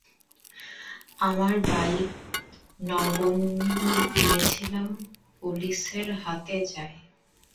আমার বাইক নবীনকে দিয়েছিলাম, যদি পুলিশের হাতে যায়।